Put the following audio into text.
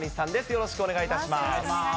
よろしくお願いします。